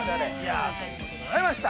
ということでございました。